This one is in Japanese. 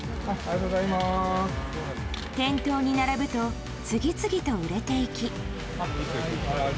店頭に並ぶと次々と売れていき。